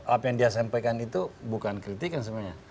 apa yang dia sampaikan itu bukan kritik kan sebenarnya